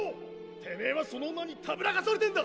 てめえはその女にたぶらかされてんだ！